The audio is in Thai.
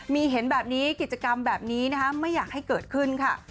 มีเห็นแบบนี้กิจกรรมแบบนี้นะคะไม่อยากให้เกิดขึ้นค่ะ